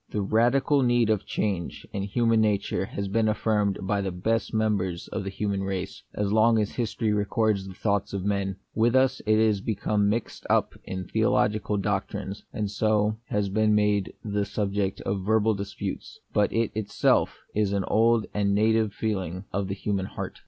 The radical need of a change in human nature has been affirmed by the best members of the human race, as long as history records the thoughts of men : with us it has become mixed up with theologic doctrines, and so has been made the subject of verbal disputes ; but it is itself an old and native feeling of the human heart.